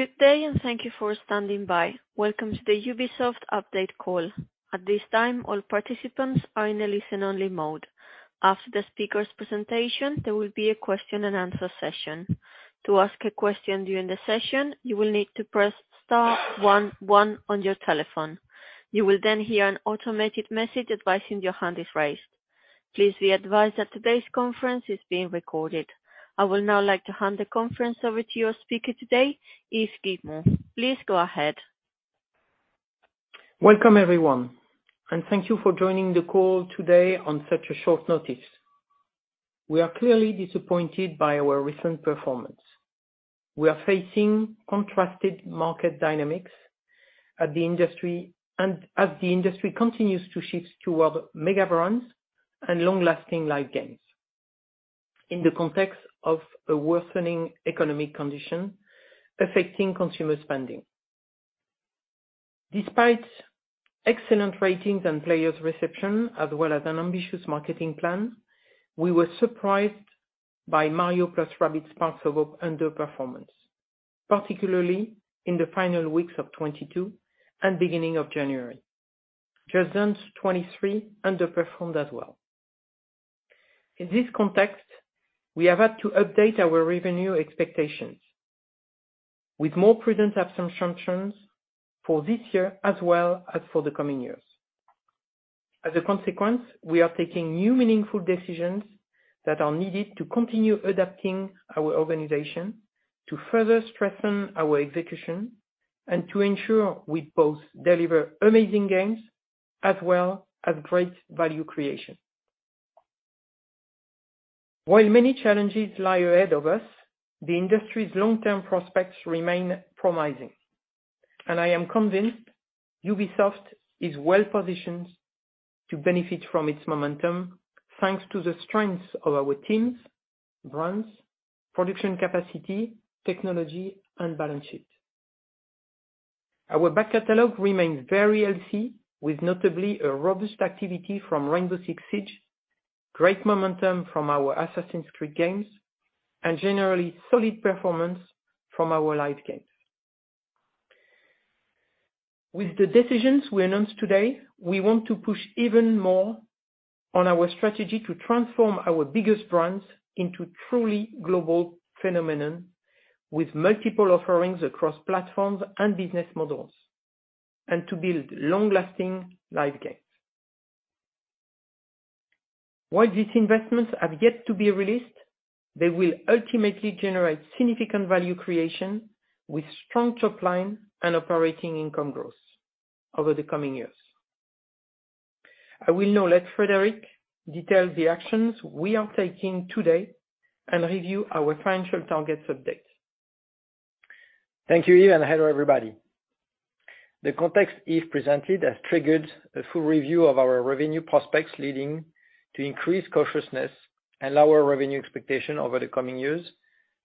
Good day and thank you for standing by. Welcome to the Ubisoft Update Call. At this time, all participants are in a listen-only mode. After the speaker's presentation, there will be a question and answer session. To ask a question during the session, you will need to press star one one on your telephone. You will then hear an automated message advising your hand is raised. Please be advised that today's conference is being recorded. I will now like to hand the conference over to your speaker today, Yves Guillemot. Please go ahead. Welcome, everyone, and thank you for joining the call today on such a short notice. We are clearly disappointed by our recent performance. We are facing contrasted market dynamics as the industry continues to shift toward mega brands and long-lasting live games in the context of a worsening economic condition affecting consumer spending. Despite excellent ratings and players' reception, as well as an ambitious marketing plan, we were surprised by Mario + Rabbids Sparks of Hope underperformance, particularly in the final weeks of 2022 and beginning of January. Just Dance 2023 Edition underperformed as well. In this context, we have had to update our revenue expectations with more prudent assumptions for this year as well as for the coming years. As a consequence, we are taking new meaningful decisions that are needed to continue adapting our organization to further strengthen our execution and to ensure we both deliver amazing games as well as great value creation. While many challenges lie ahead of us, the industry's long-term prospects remain promising, and I am convinced Ubisoft is well-positioned to benefit from its momentum, thanks to the strengths of our teams, brands, production capacity, technology and balance sheet. Our back catalog remains very healthy, with notably a robust activity from Rainbow Six Siege, great momentum from our Assassin's Creed games, and generally solid performance from our live games. With the decisions we announced today, we want to push even more on our strategy to transform our biggest brands into truly global phenomenon, with multiple offerings across platforms and business models, and to build long-lasting live games. While these investments have yet to be released, they will ultimately generate significant value creation with strong top line and operating income growth over the coming years. I will now let Frédéric detail the actions we are taking today and review our financial targets update. Thank you, Yves, and hello, everybody. The context Yves presented has triggered a full review of our revenue prospects, leading to increased cautiousness and lower revenue expectation over the coming years,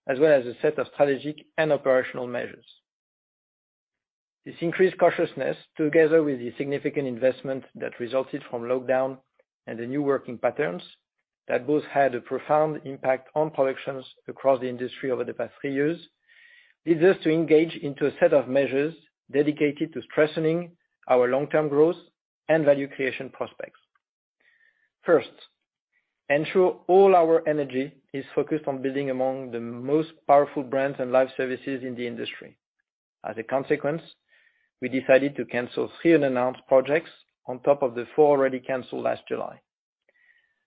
as well as a set of strategic and operational measures. This increased cautiousness, together with the significant investment that resulted from lockdown and the new working patterns that both had a profound impact on productions across the industry over the past 3 years, leads us to engage into a set of measures dedicated to strengthening our long-term growth and value creation prospects. First, ensure all our energy is focused on building among the most powerful brands and live services in the industry. As a consequence, we decided to cancel 3 unannounced projects on top of the 4 already canceled last July.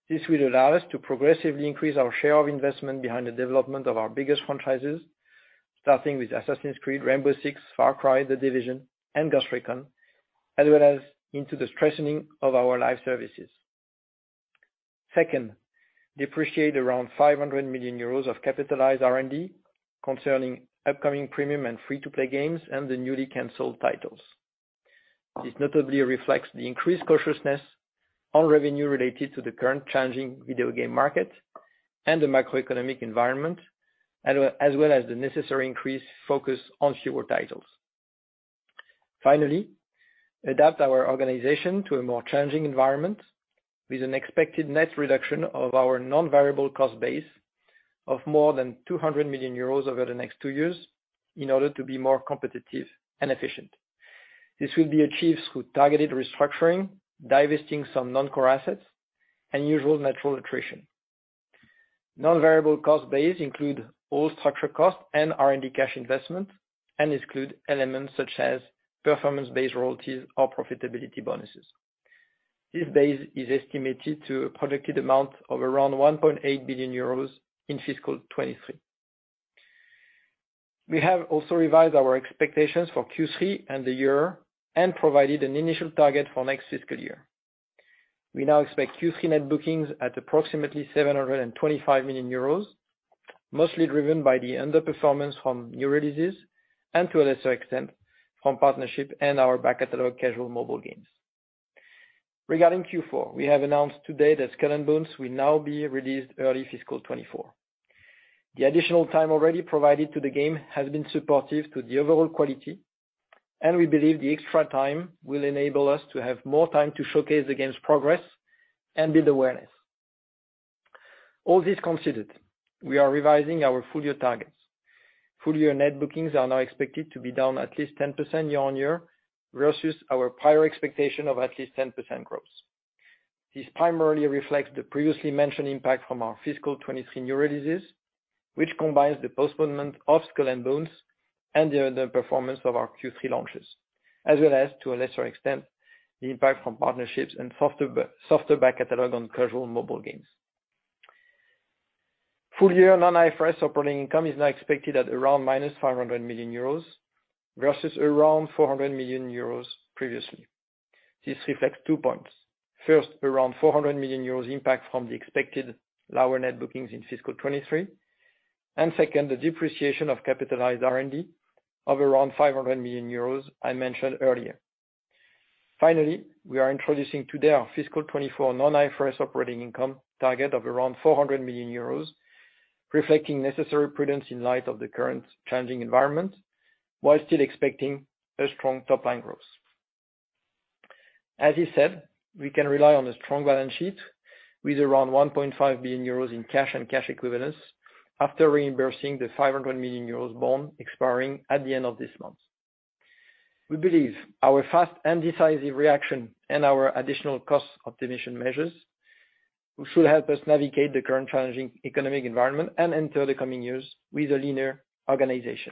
This will allow us to progressively increase our share of investment behind the development of our biggest franchises, starting with Assassin's Creed, Rainbow Six, Far Cry, The Division and Ghost Recon, as well as into the strengthening of our live services. Second, depreciate around 500 million euros of capitalized R&D concerning upcoming premium and free-to-play games and the newly canceled titles. This notably reflects the increased cautiousness on revenue related to the current changing video game market and the macroeconomic environment, as well as the necessary increased focus on fewer titles. Finally, adapt our organization to a more challenging environment with an expected net reduction of our non-variable cost base of more than 200 million euros over the next two years in order to be more competitive and efficient. This will be achieved through targeted restructuring, divesting some non-core assets and usual natural attrition. Non-variable cost base include all structural costs and R&D cash investment and exclude elements such as performance-based royalties or profitability bonuses. This base is estimated to a projected amount of around 1.8 billion euros in fiscal 2023. We have also revised our expectations for Q3 and the year and provided an initial target for next fiscal year. We now expect Q3 net bookings at approximately 725 million euros, mostly driven by the underperformance from new releases and to a lesser extent, from partnership and our back catalog casual mobile games. Regarding Q4, we have announced today that Skull and Bones will now be released early fiscal 2024. The additional time already provided to the game has been supportive to the overall quality, and we believe the extra time will enable us to have more time to showcase the game's progress and build awareness. All this considered, we are revising our full year targets. Full year net bookings are now expected to be down at least 10% year-on-year, versus our prior expectation of at least 10% growth. This primarily reflects the previously mentioned impact from our fiscal 23 new releases, which combines the postponement of Skull and Bones and the underperformance of our Q3 launches. To a lesser extent, the impact from partnerships and softer back-catalog on casual mobile games. Full year non-IFRS operating income is now expected at around minus 500 million euros versus around 400 million euros previously. This reflects two points. Around 400 million euros impact from the expected lower net bookings in fiscal 2023. Second, the depreciation of capitalized R&D of around 500 million euros I mentioned earlier. We are introducing today our fiscal 2024 non-IFRS operating income target of around 400 million euros, reflecting necessary prudence in light of the current challenging environment, while still expecting a strong top line growth. As you said, we can rely on a strong balance sheet with around 1.5 billion euros in cash and cash equivalents after reimbursing the 500 million euros bond expiring at the end of this month. We believe our fast and decisive reaction and our additional cost optimization measures should help us navigate the current challenging economic environment and enter the coming years with a leaner organization.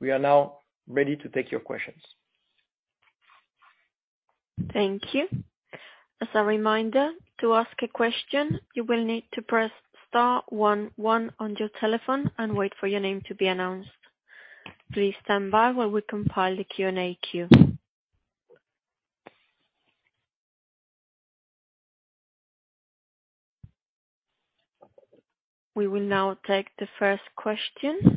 We are now ready to take your questions. Thank you. As a reminder, to ask a question, you will need to press star one one on your telephone and wait for your name to be announced. Please stand by while we compile the Q&A queue. We will now take the first question.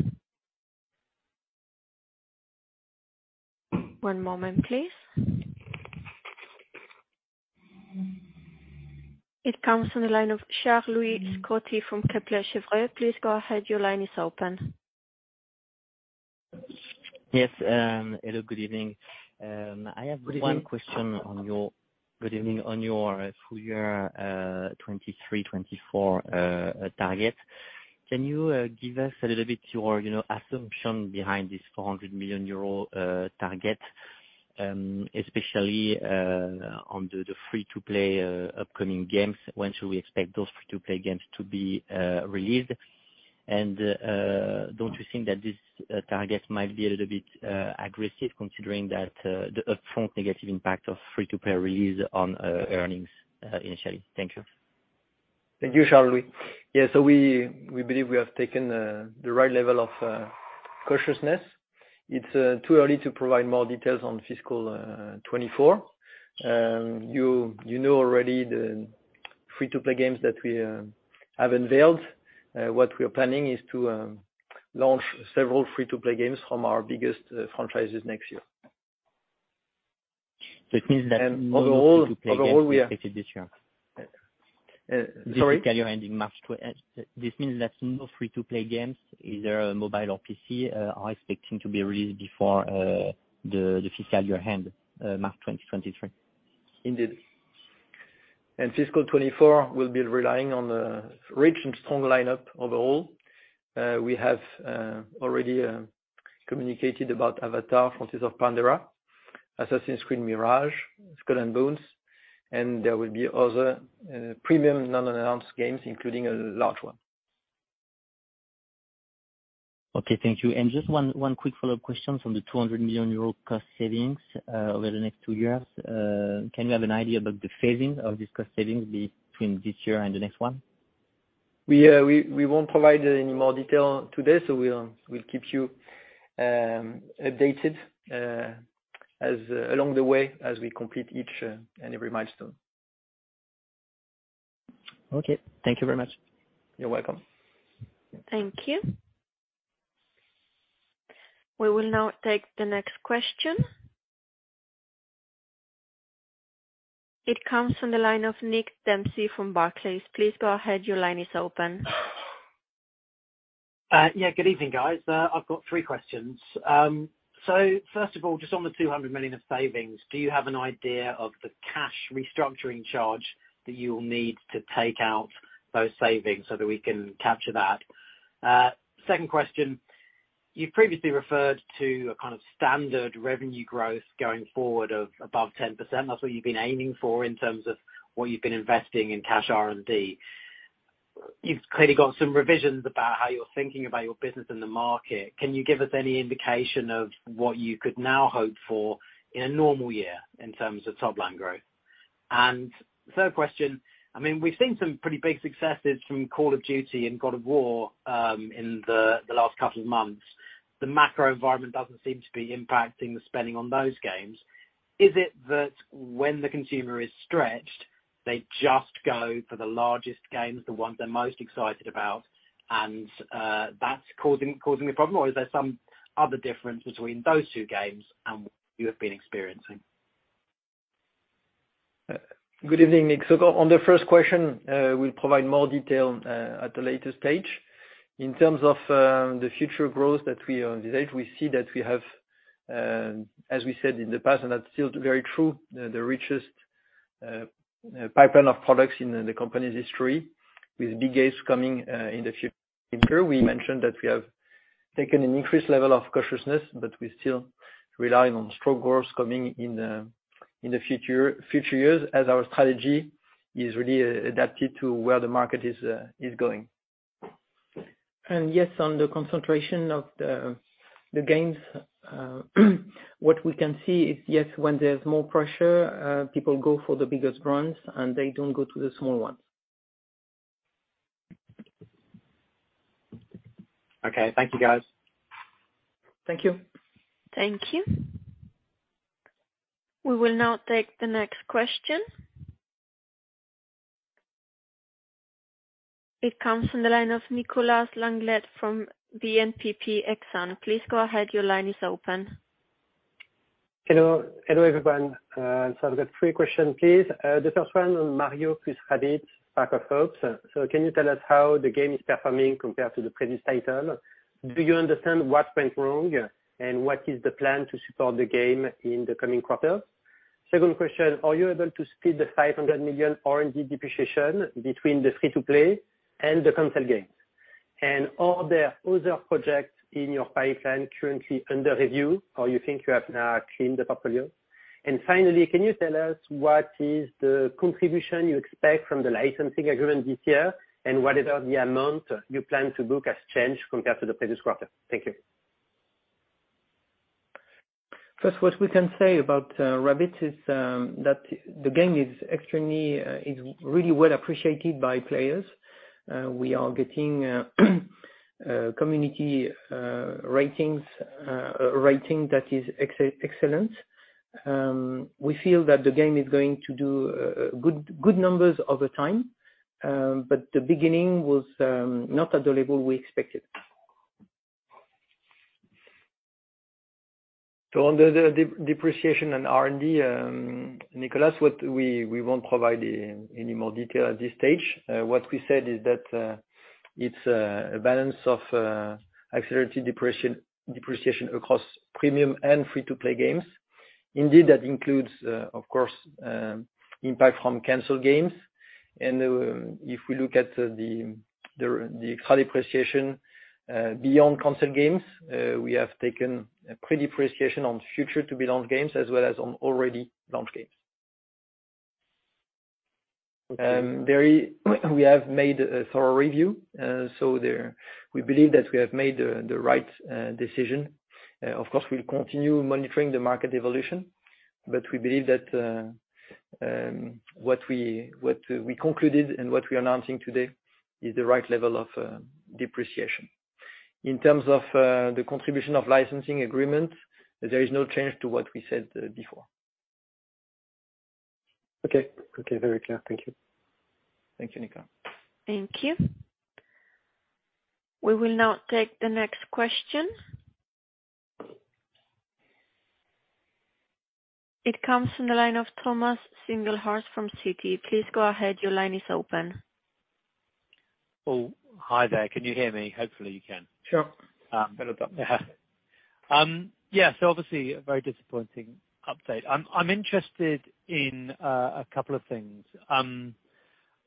One moment, please. It comes from the line of Charles-Louis Scotti from Kepler Cheuvreux. Please go ahead. Your line is open. Yes. Hello, good evening. I have one question on your- Good evening. Good evening. On your full year 2023, 2024 target. Can you give us a little bit your, you know, assumption behind this 400 million euro target? Especially on the free-to-play, upcoming games. When should we expect those free-to-play games to be released? Don't you think that this target might be a little bit aggressive considering that the upfront negative impact of free-to-play release on earnings, initially? Thank you. Thank you, Charles-Louis. We believe we have taken the right level of cautiousness. It's too early to provide more details on fiscal 24. You know already the free-to-play games that we have unveiled. What we are planning is to launch several free-to-play games from our biggest franchises next year. It means. Overall Sorry? This means that no free-to-play games, either mobile or PC, are expecting to be released before the fiscal year end, March 2023. Indeed. Fiscal 2024, we'll be relying on the rich and strong lineup overall. We have already communicated about Avatar: Frontiers of Pandora, Assassin's Creed Mirage, Skull and Bones, and there will be other premium non-announced games, including a large one. Okay, thank you. Just one quick follow-up question from the 200 million euro cost savings over the next 2 years. Can you have an idea about the phasing of this cost savings between this year and the next one? We won't provide any more detail today, so we'll keep you updated as along the way as we complete each and every milestone. Okay. Thank you very much. You're welcome. Thank you. We will now take the next question. It comes from the line of Nick Dempsey from Barclays. Please go ahead. Your line is open. Good evening, guys. I've got three questions. First of all, just on the 200 million of savings, do you have an idea of the cash restructuring charge that you will need to take out those savings so that we can capture that? Second question, you previously referred to a kind of standard revenue growth going forward of above 10%. That's what you've been aiming for in terms of what you've been investing in cash R&D. You've clearly got some revisions about how you're thinking about your business in the market. Can you give us any indication of what you could now hope for in a normal year in terms of top line growth? Third question, I mean, we've seen some pretty big successes from Call of Duty and God of War in the last couple of months. The macro environment doesn't seem to be impacting the spending on those games. Is it that when the consumer is stretched, they just go for the largest games, the ones they're most excited about, and that's causing the problem? Is there some other difference between those two games and what you have been experiencing? Good evening, Nick. On the first question, we'll provide more detail at a later stage. In terms of the future growth that we are today, we see that we have, as we said in the past, and that's still very true, the richest pipeline of products in the company's history with AAA coming in the future. We mentioned that we have taken an increased level of cautiousness, but we still relying on strong growth coming in in the future years as our strategy is really adapted to where the market is going. Yes, on the concentration of the gains, what we can see is, yes, when there's more pressure, people go for the biggest brands, and they don't go to the small ones. Okay. Thank you, guys. Thank you. Thank you. We will now take the next question. It comes from the line of Nicolas Langlet from BNPP Exane. Please go ahead. Your line is open. Hello. Hello, everyone. I've got three question, please. The first one on Mario + Rabbids Sparks of Hope. Can you tell us how the game is performing compared to the previous title? Do you understand what went wrong, and what is the plan to support the game in the coming quarter? Second question, are you able to split the 500 million R&D depreciation between the free-to-play and the console games? Are there other projects in your pipeline currently under review, or you think you have now cleaned the portfolio? Finally, can you tell us what is the contribution you expect from the licensing agreement this year? Whether the amount you plan to book has changed compared to the previous quarter? Thank you. First, what we can say about Rabbids is that the game is extremely, is really well appreciated by players. We are getting a community ratings, a rating that is excellent. We feel that the game is going to do good numbers over time. The beginning was not at the level we expected. On the depreciation and R&D, Nicolas, we won't provide any more detail at this stage. What we said is that it's a balance of accelerated depreciation across premium and free-to-play games. Indeed, that includes, of course, impact from canceled games. If we look at the current depreciation, beyond console games, we have taken a pre-depreciation on future to-be-launched games, as well as on already launched games. Okay. Very we have made a thorough review. There, we believe that we have made the right decision. Of course, we'll continue monitoring the market evolution, but we believe that what we concluded and what we are announcing today is the right level of depreciation. In terms of the contribution of licensing agreement, there is no change to what we said before. Okay. Okay, very clear. Thank you. Thank you, Nicholas. Thank you. We will now take the next question. It comes from the line of Thomas Singlehurst from Citi. Please go ahead. Your line is open. Oh, hi there. Can you hear me? Hopefully, you can. Sure. Um. Better now. Yeah, obviously a very disappointing update. I'm interested in a couple of things.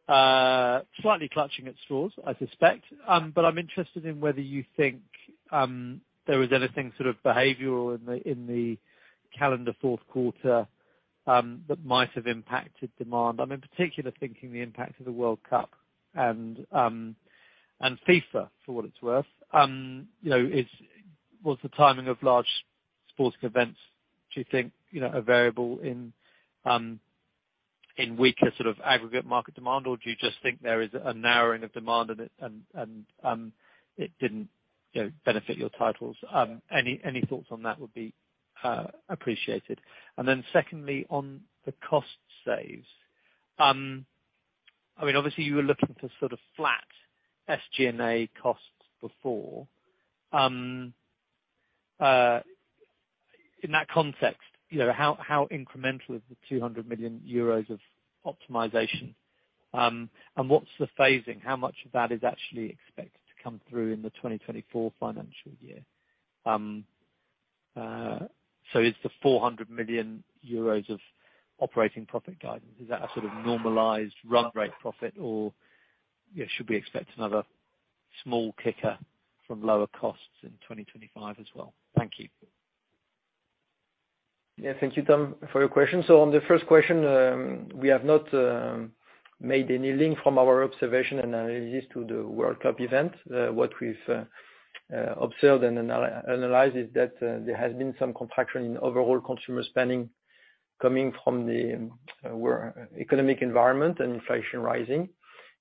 Slightly clutching at straws, I suspect. I'm interested in whether you think there was anything sort of behavioral in the calendar Q4 that might have impacted demand. I'm in particular thinking the impact of the World Cup and FIFA for what it's worth. You know, was the timing of large sporting events, do you think, you know, a variable in weaker sort of aggregate market demand? Do you just think there is a narrowing of demand and it didn't, you know, benefit your titles? Any thoughts on that would be appreciated. Secondly, on the cost saves, I mean, obviously you were looking for sort of flat SG&A costs before. In that context, you know, how incremental is the 200 million euros of optimization? What's the phasing? How much of that is actually expected to come through in the 2024 financial year? Is the 400 million euros of operating profit guidance, is that a sort of normalized run rate profit or, you know, should we expect another small kicker from lower costs in 2025 as well? Thank you. Yeah, thank you, Tom, for your question. On the first question, we have not made any link from our observation and analysis to the World Cup event. What we've observed and analyzed is that there has been some contraction in overall consumer spending coming from the we're economic environment and inflation rising.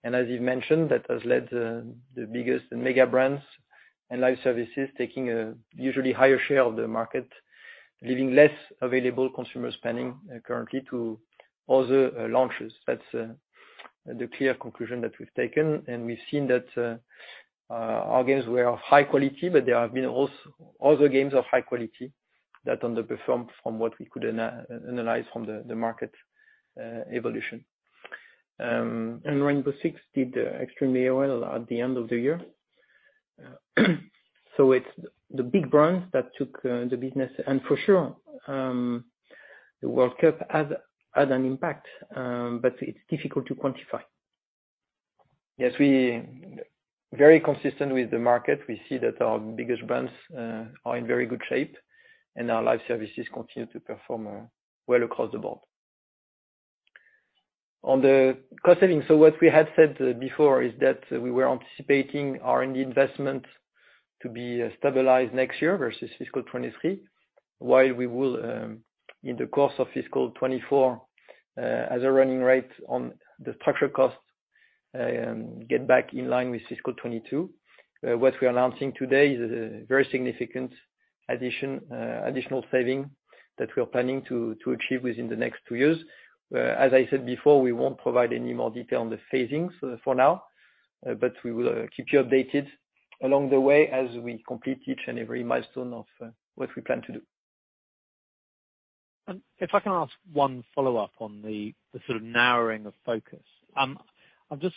As you've mentioned, that has led the biggest megabrands and live services taking a usually higher share of the market, leaving less available consumer spending currently to other launches. That's the clear conclusion that we've taken. We've seen that our games were high quality, but there have been other games of high quality that underperformed from what we could analyze from the market evolution. Rainbow Six did extremely well at the end of the year. It's the big brands that took the business. For sure, the World Cup had an impact, but it's difficult to quantify. Yes, we very consistent with the market. We see that our biggest brands are in very good shape, and our live services continue to perform well across the board. On the cost savings, what we had said before is that we were anticipating R&D investment to be stabilized next year versus fiscal 23. While we will in the course of fiscal 24, as a running rate on the structural costs, get back in line with fiscal 22. What we are announcing today is a very significant addition, additional saving that we are planning to achieve within the next two years. As I said before, we won't provide any more detail on the phasing so for now, but we will keep you updated along the way as we complete each and every milestone of what we plan to do. If I can ask one follow-up on the sort of narrowing of focus. I'm just,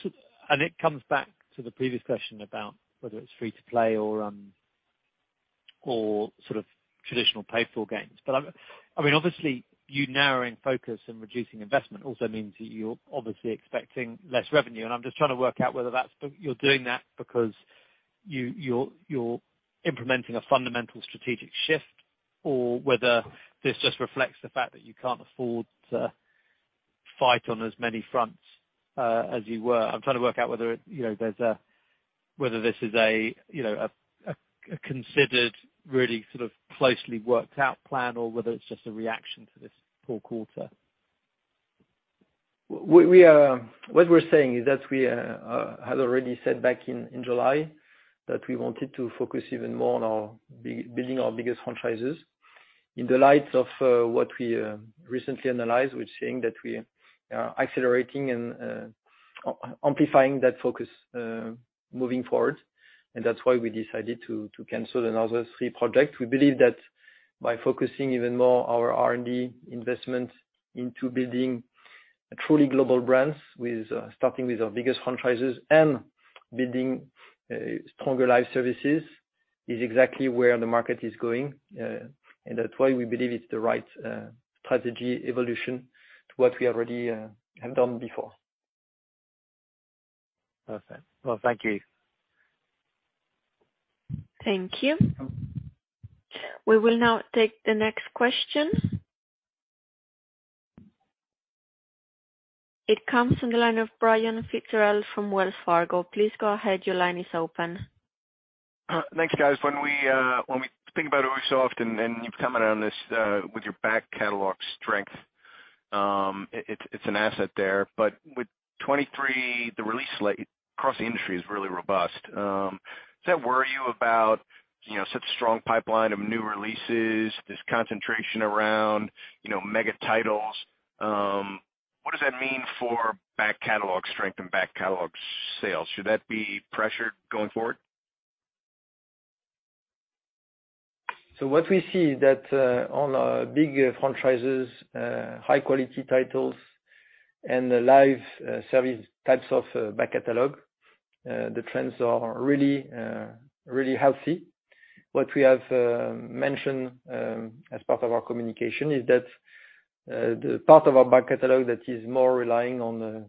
it comes back to the previous question about whether it's Free-to-play or sort of traditional pay-for games. I mean, obviously you narrowing focus and reducing investment also means that you're obviously expecting less revenue. I'm just trying to work out whether that's, you're doing that because you're implementing a fundamental strategic shift, or whether this just reflects the fact that you can't afford to fight on as many fronts as you were. I'm trying to work out whether, you know, Whether this is a, you know, a considered really sort of closely worked out plan or whether it's just a reaction to this poor quarter. What we're saying is that we had already said back in July that we wanted to focus even more on our big, building our biggest franchises. In the light of what we recently analyzed, we're saying that we are accelerating and amplifying that focus moving forward. That's why we decided to cancel another three projects. We believe that by focusing even more our R&D investment into building truly global brands with, starting with our biggest franchises and building stronger live services is exactly where the market is going. That's why we believe it's the right strategy evolution to what we already have done before. Perfect. Well, thank you. Thank you. We will now take the next question. It comes from the line of Brian Fitzgerald from Wells Fargo. Please go ahead. Your line is open. Thanks, guys. When we, when we think about Ubisoft and you've commented on this, with your back catalog strength, it's an asset there. With 23, the release slate across the industry is really robust. Does that worry you about, you know, such strong pipeline of new releases, this concentration around, you know, mega titles? What does that mean for back catalog strength and back catalog sales? Should that be pressured going forward? What we see that on our big franchises, high quality titles and the live service types of back catalog, the trends are really healthy. What we have mentioned as part of our communication is that the part of our back catalog that is more relying on the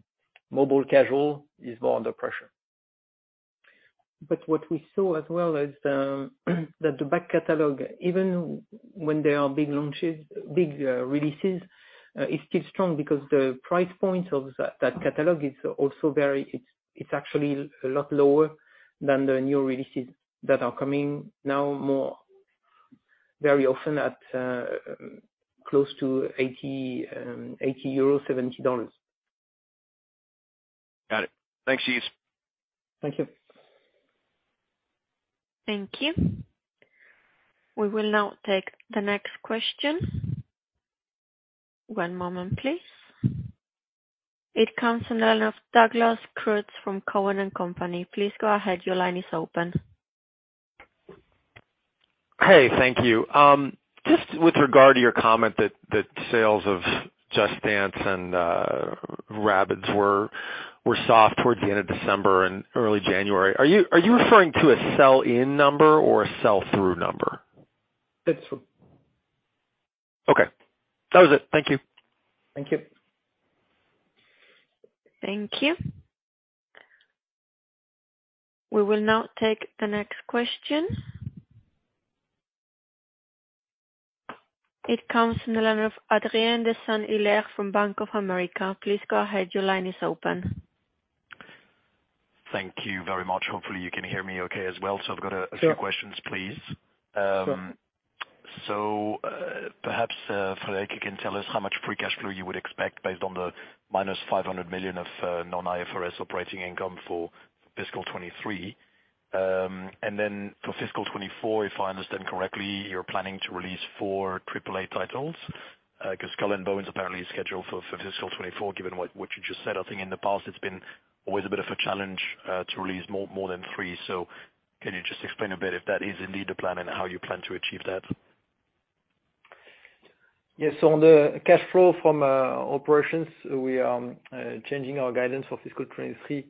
mobile casual is more under pressure. What we saw as well is that the back catalog, even when there are big launches, big releases, is still strong because the price point of that catalog is also very, it's actually a lot lower than the new releases that are coming now more, very often at close to 80, $70. Got it. Thanks, guys. Thank you. Thank you. We will now take the next question. One moment, please. It comes from the line of Douglas Creutz from Cowen and Company. Please go ahead. Your line is open. Hey, thank you. Just with regard to your comment that sales of Just Dance and Rabbids were soft towards the end of December and early January, are you referring to a sell-in number or a sell-through number? Sell-through. Okay. That was it. Thank you. Thank you. Thank you. We will now take the next question. It comes from the line of Adrien De Saint Hilaire from Bank of America. Please go ahead. Your line is open. Thank you very much. Hopefully, you can hear me okay as well. I've got Sure. Few questions, please. Perhaps Frédérick can tell us how much free cash flow you would expect based on the -500 million of non-IFRS operating income for fiscal 2023. For fiscal 2024, if I understand correctly, you're planning to release four AAA titles, 'cause Skull and Bones apparently is scheduled for fiscal 2024, given what you just said. I think in the past, it's been always a bit of a challenge to release more than three. Can you just explain a bit if that is indeed the plan and how you plan to achieve that? On the cash flow from operations, we are changing our guidance for fiscal 2023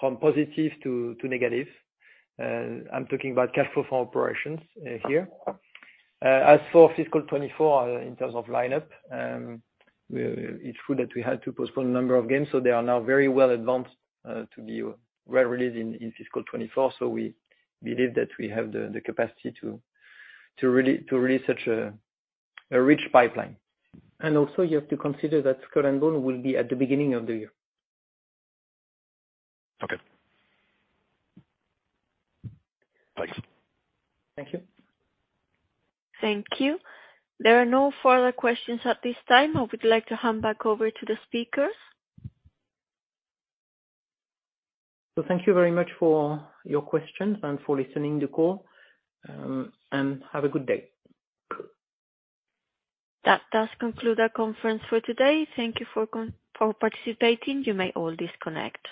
from positive to negative. I'm talking about cash flow from operations here. As for fiscal 2024 in terms of lineup, it's true that we had to postpone a number of games, so they are now very well advanced to be well released in fiscal 2024. We believe that we have the capacity to release such a rich pipeline. Also you have to consider that Skull and Bones will be at the beginning of the year. Okay. Thanks. Thank you. Thank you. There are no further questions at this time. I would like to hand back over to the speakers. Thank you very much for your questions and for listening the call, and have a good day. That does conclude our conference for today. Thank you for participating. You may all disconnect.